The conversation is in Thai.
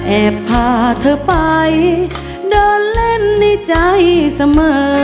แอบพาเธอไปเดินเล่นในใจเสมอ